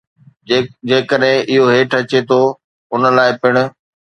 جيڪڏهن اهو هيٺ اچي ٿو، ان لاء پڻ